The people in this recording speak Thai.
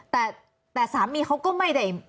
แต่สามีเขาก็ไม่ได้